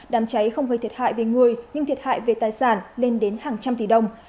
đám cháy không gây thiệt hại về người nhưng thiệt hại về tài sản lên đến hàng trăm tỷ đồng